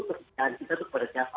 kesimpulannya itu kepada siapa